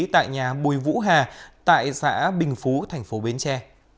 tại nhà bùi vũ hà tại xã bình phú tp bến tre